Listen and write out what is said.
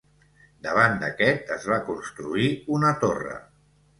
Davant d'aquest es va construir una torre.